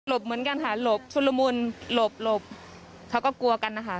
เหมือนกันค่ะหลบชุดละมุนหลบหลบเขาก็กลัวกันนะคะ